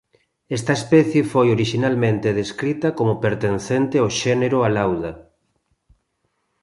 Esta especie foi orixinalmente descrita como pertencente ao xénero "Alauda".